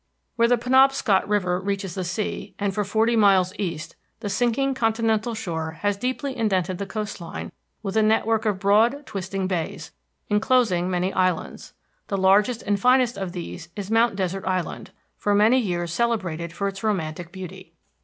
Where the Penobscot River reaches the sea, and for forty miles east, the sinking continental shore has deeply indented the coast line with a network of broad, twisting bays, enclosing many islands. The largest and finest of these is Mount Desert Island, for many years celebrated for its romantic beauty.